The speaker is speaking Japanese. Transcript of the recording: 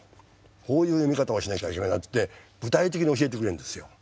こういう見方をしなきゃいけないって具体的に教えてくれるんですよ。